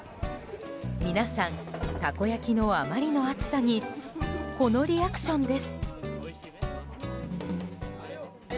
皆さんたこ焼きのあまりの熱さにこのリアクションです。